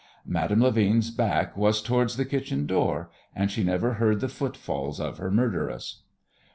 Madame Levin's back was towards the kitchen door, and she never heard the footfalls of her murderess.